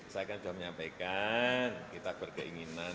saya kan sudah menyampaikan kita berkeinginan